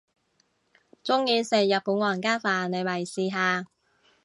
鍾意食日本皇家飯你咪試下